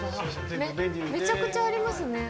めちゃくちゃありますね。